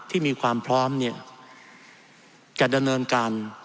ที่มีความพร้อมเนี่ยจะดำเนินการ